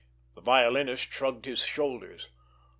The violinist shrugged his shoulders.